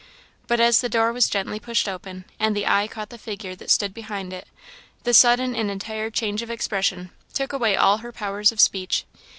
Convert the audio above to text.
But as the door was gently pushed open, and the eye caught the figure that stood behind it, the sudden and entire change of expression took away all her powers of speech.